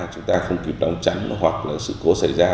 chúng ta không kịp đóng chắn hoặc là sự cố xảy ra